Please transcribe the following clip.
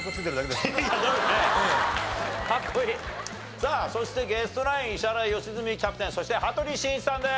さあそしてゲストナイン石原良純キャプテンそして羽鳥慎一さんです。